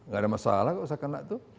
gak ada masalah kok saya kena itu